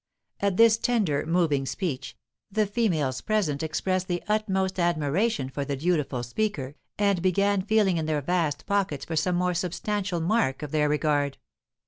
At this tender, moving speech, the females present expressed the utmost admiration for the dutiful speaker, and began feeling in their vast pockets for some more substantial mark of their regard.